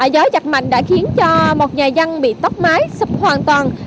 gió giặt mạnh đã khiến cho một nhà dân bị tóc mái sụp hoàn toàn